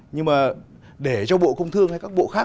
nhưng mà để cho bộ công thương hay các bộ khác